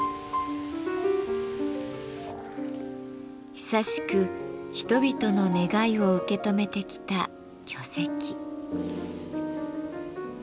久しく人々の願いを受け止めてきた巨石。